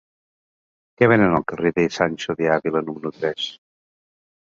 Què venen al carrer de Sancho de Ávila número tres?